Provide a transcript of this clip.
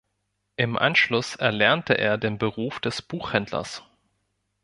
Im Anschluss erlernte er den Beruf des Buchhändlers.